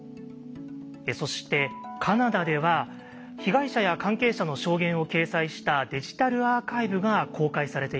そしてカナダでは被害者や関係者の証言を掲載したデジタルアーカイブが公開されています。